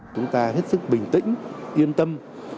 chúng ta hết sức bình tĩnh yên tâm